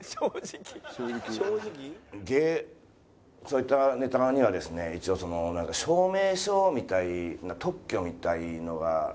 そういったネタにはですね一応その証明書みたいな特許みたいのが実はないんですね。